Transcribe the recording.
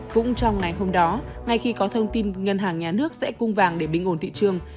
cũng trong ngày hôm đó ngay khi có thông tin ngân hàng nhà nước sẽ cung vàng để bình ổn thị trường